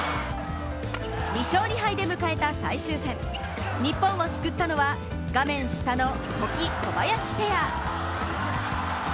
２勝２敗で迎えた最終戦、日本を救ったのは、画面下の保木・小林ペア。